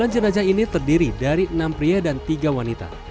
sembilan jenazah ini terdiri dari enam pria dan tiga wanita